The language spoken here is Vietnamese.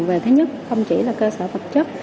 về thứ nhất không chỉ là cơ sở vật chất